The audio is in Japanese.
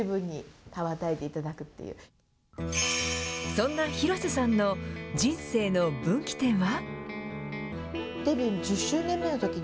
そんな広瀬さんの、人生の分岐点は？